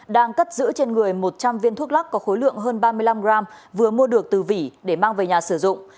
đang cất giữ trên người một trăm linh viên thuốc lắc có khối lượng hơn ba mươi năm g vừa mua được từ vỉ để mang về nhà sử dụng